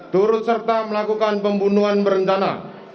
turut serta melakukan pembunuhan berencana